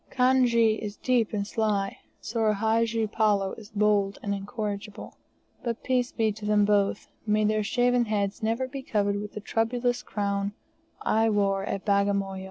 Kanjee is deep and sly, Soor Hadji Palloo is bold and incorrigible. But peace be to them both, may their shaven heads never be covered with the troublous crown I wore at Bagamoyo!